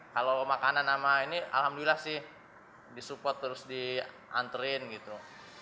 kalau makanan sama ini alhamdulillah sih disupport terus dianterin gitu